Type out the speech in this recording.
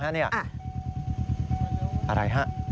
อะไรฮะ